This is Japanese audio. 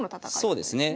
そうですね。